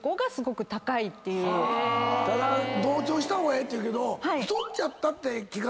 ただ同調した方がええっていうけど。